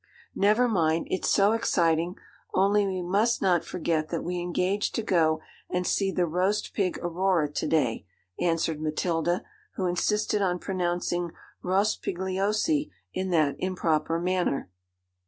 'Never mind; it's so exciting; only we must not forget that we engaged to go and see the Roastpig Aurora to day,' answered Matilda, who insisted on pronouncing Rospigliosi in that improper manner.